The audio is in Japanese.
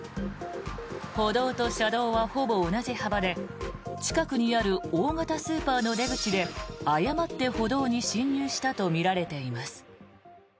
歩道と車道はほぼ同じ幅で近くにある大型スーパーの出口で誤って歩道に進入したとみられています。